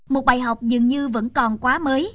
một bài học dường như vẫn còn quá mới